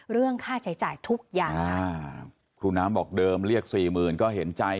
เรื่องค่าใช้จ่ายทุกอย่างอ่าครูน้ำบอกเดิมเรียกสี่หมื่นก็เห็นใจ